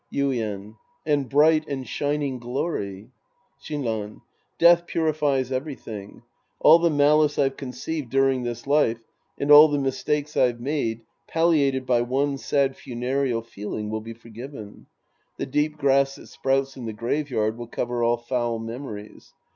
Yuien. And bright and shining glory ! Shinran. Death purifies everything. All the malice I've conceived during tliis life, and all the mistakes I've made, palliated by one sad funereal feeling, will be forgiven. The deep grass that sprouts in the graveyard will cover all foul memories.